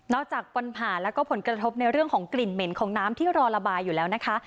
จากปัญหาแล้วก็ผลกระทบในเรื่องของกลิ่นเหม็นของน้ำที่รอระบายอยู่แล้วนะคะ